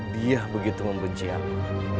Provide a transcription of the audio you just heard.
dia begitu membenci aku